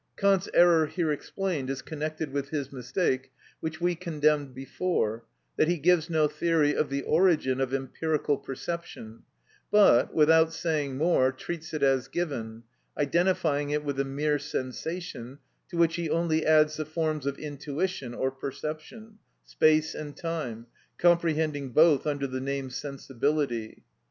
Kant's error here explained is connected with his mistake, which we condemned before, that he gives no theory of the origin of empirical perception, but, without saying more, treats it as given, identifying it with the mere sensation, to which he only adds the forms of intuition or perception, space and time, comprehending both under the name sensibility.